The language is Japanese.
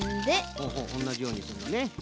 ほうほうおんなじようにすんのね。